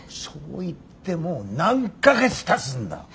そう言ってもう何か月たつんだ！